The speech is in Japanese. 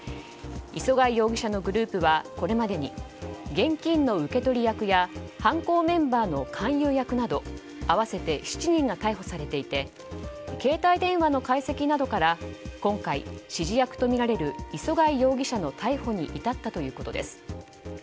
磯貝容疑者のグループはこれまでに現金の受け取り役や犯行メンバーの勧誘役など合わせて７人が逮捕されていて携帯電話の解析などから今回、指示役とみられる磯貝容疑者の逮捕に至ったということです。